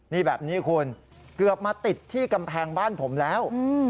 นี่แบบนี้คุณเกือบมาติดที่กำแพงบ้านผมแล้ว